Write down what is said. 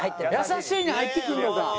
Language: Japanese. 「優しい」に入ってくるのか。